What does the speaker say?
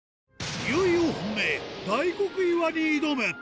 いよいよ本命、大黒岩に挑む。